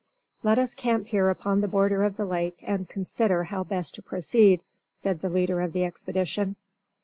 "Let us camp here upon the border of the lake and consider how best to proceed," said the leader of the expedition.